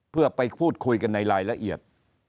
เพื่อไปพูดคุยกันในรายละเอียด